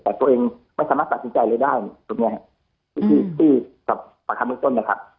แต่ตัวเองไม่สามารถตัดสินใจเลยได้ตรงเนี้ยอืมที่กับประคับมือต้นนะครับ